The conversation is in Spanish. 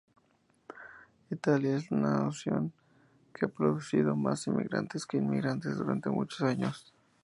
Italia es una nación que ha producido más emigrantes que inmigrantes durante muchos años.